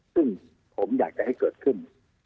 ซึ่งผมอยากจะให้เกิดขึ้น